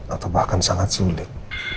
atau bahkan sangat sulit